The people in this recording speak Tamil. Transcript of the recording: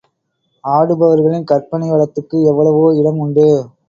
ஆடுபவர்களின் கற்பனை வளத்துக்கு எவ்வளவோ இடம் உண்டு.